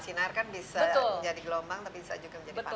sinar kan bisa menjadi gelombang tapi bisa juga menjadi panas